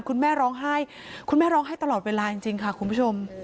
คุณแม่ร้องไห้คุณแม่ร้องไห้ตลอดเวลาจริงค่ะคุณผู้ชม